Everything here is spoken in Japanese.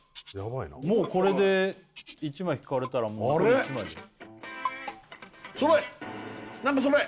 もうこれで１枚引かれたらもうあと１枚だよ揃え！